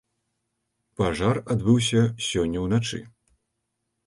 Пажар адбыўся сёння ўначы.